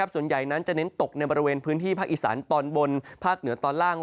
ส่วนใหญ่นั้นจะเน้นตกในบริเวณพื้นที่ภาคอีสานตอนบนภาคเหนือตอนล่าง